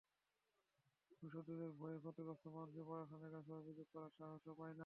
ভূমিদস্যুদের ভয়ে ক্ষতিগ্রস্ত মানুষ প্রশাসনের কাছে অভিযোগ করার সাহসও পায় না।